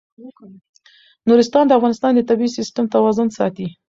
نورستان د افغانستان د طبعي سیسټم توازن ساتي.